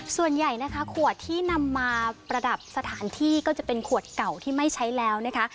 ส่วนใหญ่นะคะขวดที่นำมาประดับสถานที่ก็จะเป็นขวดเก่าที่ไม่ใช้แล้วนะคะ